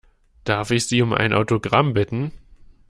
Darf ich Sie um ein Autogramm bitten?